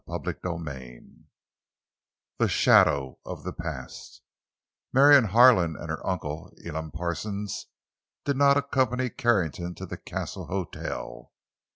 CHAPTER VII—THE SHADOW OF THE PAST Marion Harlan and her uncle, Elam Parsons, did not accompany Carrington to the Castle Hotel.